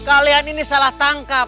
kalian ini salah tangkap